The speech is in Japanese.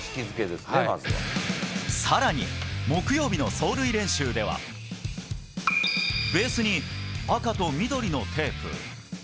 更に木曜日の走塁練習ではベースに赤と緑のテープ。